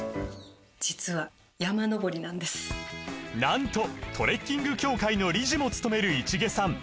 実はなんとトレッキング協会の理事もつとめる市毛さん